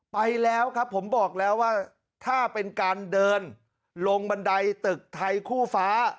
ไปแล้วครับผมบอกแล้วว่าถ้าเป็นการเดินลงบันไดตึกไทยคู่ฟ้า